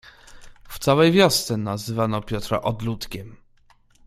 "W całej wiosce nazywano Piotra odludkiem."